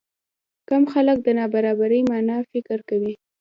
کم خلک د نابرابرۍ معنی فکر کوي.